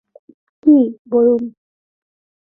কী, বলুন।